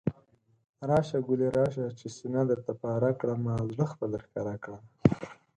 راشه ګلي راشه، چې سينه درته پاره کړمه، زړه خپل درښکاره کړمه